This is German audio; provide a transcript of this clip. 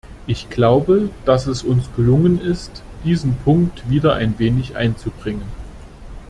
Ich glaube, dass es uns gelungen ist, diesen Punkt wieder ein wenig einzubringen.